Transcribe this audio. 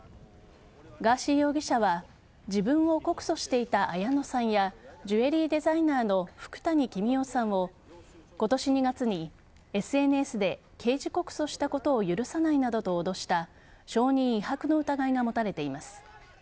ガーシー容疑者は自分を告訴していた綾野さんやジュエリーデザイナーの福谷公男さんを今年２月にＳＮＳで刑事告訴したことを許さないなどと脅した証人威迫の疑いが持たれています。